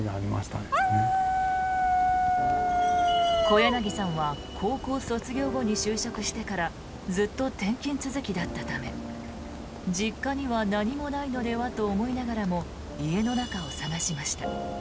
小柳さんは高校卒業後に就職してからずっと転勤続きだったため実家には何もないのではと思いながらも家の中を探しました。